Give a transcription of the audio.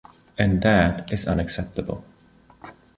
And that is unacceptable.